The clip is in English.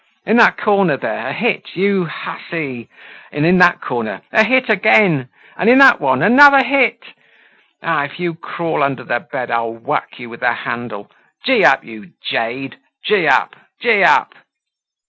In that corner there, a hit, you hussy! And in that other corner, a hit again! And in that one, another hit. Ah! if you crawl under the bed I'll whack you with the handle. Gee up, you jade! Gee up! Gee up!"